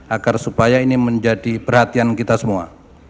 agar supaya ini menjadi perhatian kita semua